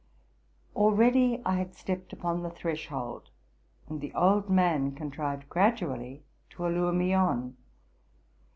Already I had stepped upon the threshold, and the old man contrived gradually to allure me on.